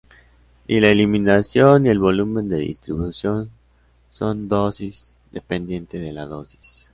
Ni la eliminación, ni el volumen de distribución son dosis dependiente de la dosis.